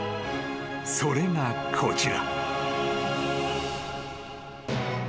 ［それがこちら］